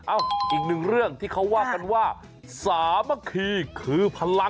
อีกหนึ่งเรื่องที่เขาว่ากันว่าสามัคคีคือพลัง